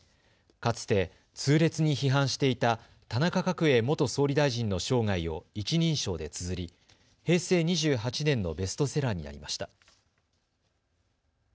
かつて痛烈に批判していた田中角栄元総理大臣の生涯を一人称でつづり平成２８年のベストセラーになりました。